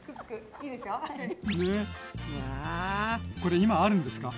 これ今あるんですか？